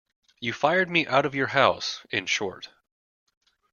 You fired me out of your house, in short.